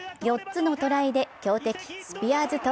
４つのトライで強敵スピアーズ